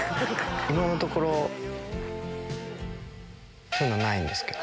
今のところ、そういうのはないんですけど。